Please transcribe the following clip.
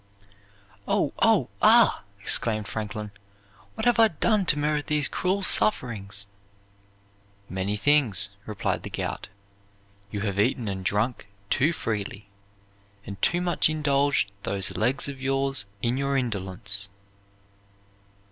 "Oh! oh! ah!" exclaimed Franklin; "what have I done to merit these cruel sufferings?" "Many things," replied the Gout; "you have eaten and drunk too freely, and too much indulged those legs of yours in your indolence."